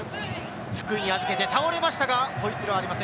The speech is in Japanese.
福井に預けて倒れましたが、ホイッスルはありません。